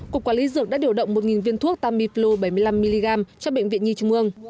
cục quản lý dược đã điều động một viên thuốc tamiflu bảy mươi năm mg cho bệnh viện nhi trung ương